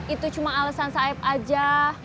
itu cuma alasan sayap aja